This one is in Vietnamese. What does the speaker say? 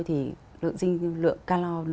thì lượng calor